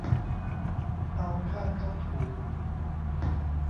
เอาข้างเข้าถู